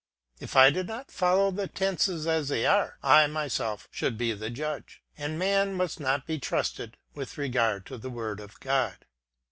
If I did not follow the tenses as they are, I myself should be the judge, and man must not be trusted with regard to the Word of God.